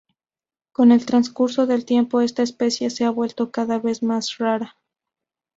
Con el transcurso del tiempo, esta especie se ha vuelto cada vez más rara.